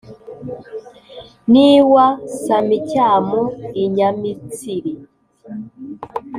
n’iwa samicyamo i nyamitsiri.